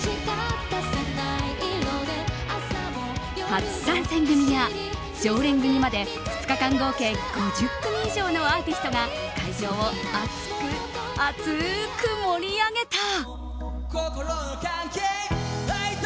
初参戦組や常連組まで２日間合計５０組以上のアーティストが会場を熱く熱く盛り上げた。